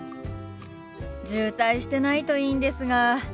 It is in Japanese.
渋滞してないといいんですが。